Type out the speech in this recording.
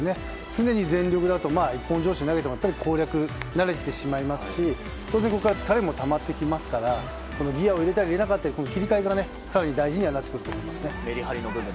常に全力だと一本調子で攻略に慣れてしまいますし当然ここから疲れもたまってきますからギアを入れたり入れなかったり切り替えが更に大事になってくると思います。